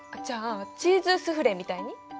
じゃあチーズスフレみたいに？